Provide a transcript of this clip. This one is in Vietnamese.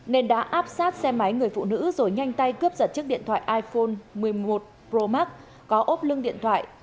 nên đã áp sát xe máy người phụ nữ rồi nhanh tay cướp giật chiếc điện thoại iphone một mươi một pro max có ốp lưng điện thoại